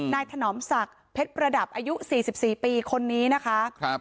ถนอมศักดิ์เพชรประดับอายุ๔๔ปีคนนี้นะคะ